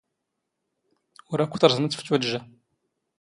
ⵓⵔ ⴰⴽⴽⵯ ⵜⵕⵥⵎⵜ ⴼ ⵜⵓⴷⵊⴰ.